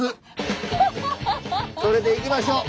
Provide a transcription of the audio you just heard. それでいきましょう！